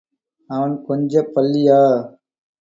அவன் கொஞ்சப் பள்ளியா?